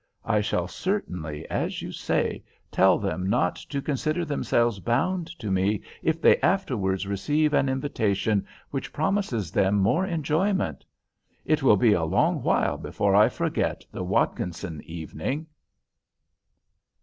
I shall certainly, as you say, tell them not to consider themselves bound to me if they afterwards receive an invitation which promises them more enjoyment. It will be a long while before I forget, the Watkinson evening."